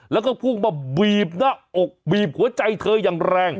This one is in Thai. แล้วก็พุ่งมาบีบหน้าอกบีบหัวใจเธออย่างแรง